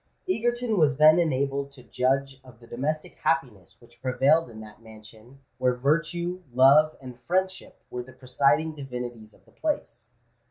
Egerton was then enabled to judge of the domestic happiness which prevailed in that mansion where virtue, love, and friendship were the presiding divinities of the place.